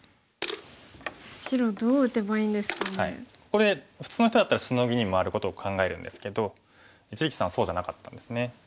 これ普通の人だったらシノギに回ることを考えるんですけど一力さんはそうじゃなかったんですね。